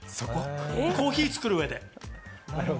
コーヒーを作る上で。